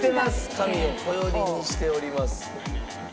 紙をこよりにしております。